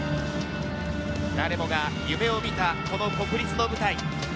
誰もが夢を見たこの国立の舞台。